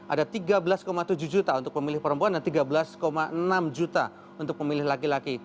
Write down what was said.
ada tiga belas tujuh juta untuk pemilih perempuan dan tiga belas enam juta untuk pemilih laki laki